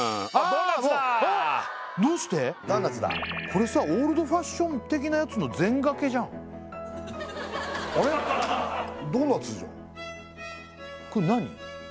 ドーナツだこれさオールドファッション的なやつの全がけじゃんあれっドーナツじゃんこれ何？